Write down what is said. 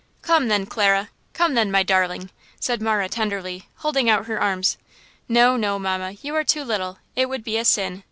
"Come, then Clara! Come, then, my darling," said Marah, tenderly, holding out her arms. "No, no, mamma; you are too little; it would be a sin!"